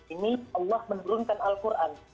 ini allah menurunkan al quran